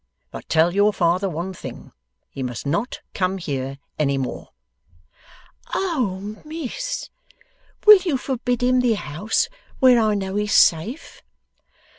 But tell your father one thing: he must not come here any more.' 'Oh, Miss, will you forbid him the house where I know he's safe?